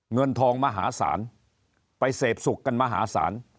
เงินทองมหาศาลไปเสพสุขกันมหาศาล